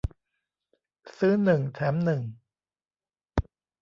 ซื้อหนึ่งแถมหนึ่ง